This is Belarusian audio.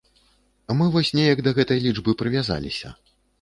Мы вось неяк да гэтай лічбы прывязаліся.